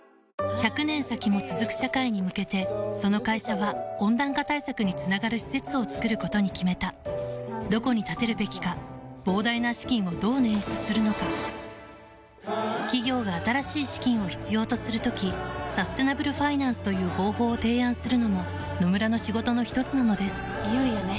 １００年先も続く社会に向けてその会社は温暖化対策につながる施設を作ることに決めたどこに建てるべきか膨大な資金をどう捻出するのか企業が新しい資金を必要とする時サステナブルファイナンスという方法を提案するのも野村の仕事のひとつなのですいよいよね。